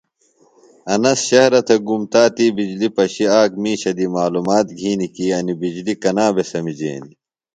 انس شہرہ تھےۡ گُوم۔ تا تی بجلیۡ پشیۡ آک مِیشہ دی معلومات گِھینیۡ کی انیۡ بِجلی کنا بھےۡ سمِجینیۡ۔